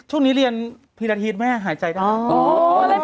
ช่วงนี้เรียนพิราธิสแม่หายใจตัว